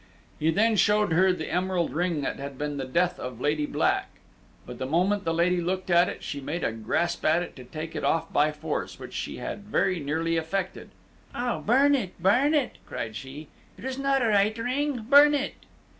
He then showed her the emerald ring that had been the death of Lucky Black; but the moment the lady looked at it, she made a grasp at it to take it off by force, which she had very nearly effected. "Oh, burn it! burn it!" cried she; "it is not a right ring! Burn it!"